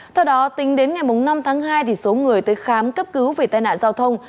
theo đó tính đến ngày năm tháng hai số người tới khám cấp cứu về tai nạn giao thông